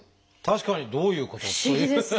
確かにどういうこと？という。